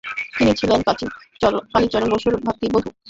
তিনি ছিলেন কালিচরণ বসুর ভ্রাতৃবধূ।